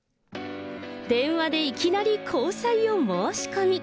電話でいきなり交際を申し込み。